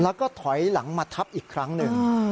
แล้วก็ถอยหลังมาทับอีกครั้งหนึ่ง